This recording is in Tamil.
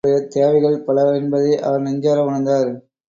அவர்களுடைய தேவைகள் பல என்பதை அவர் நெஞ்சார உணர்ந்தார்.